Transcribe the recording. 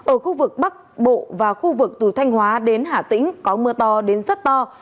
ở khu vực bắc bộ và khu vực từ thanh hóa đến hà tĩnh có mưa to đến rất to